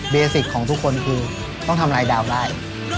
สิกของทุกคนคือต้องทำลายดาวได้